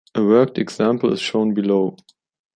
A worked example is shown below.